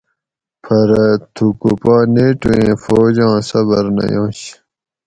پرہ تھُکو پا نیٹُو ایں فوج آں صبر نہ ینش